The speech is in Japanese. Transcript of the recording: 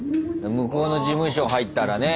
向こうの事務所入ったらね